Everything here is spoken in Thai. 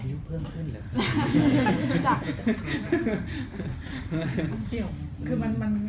อายุเพิ่มขึ้นเหรอ